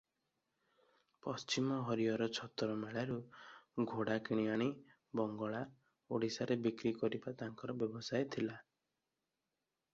ପଶ୍ଚିମ ହରିହର ଛତର ମେଳାରୁ ଘୋଡ଼ା କିଣିଆଣି ବଙ୍ଗଳା, ଓଡ଼ିଶାରେ ବିକ୍ରି କରିବା ତାଙ୍କର ବ୍ୟବସାୟ ଥିଲା ।